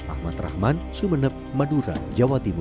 ahmad rahman sumeneb madura jawa timur